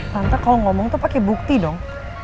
tante kalau ngomong tuh pake bukti dong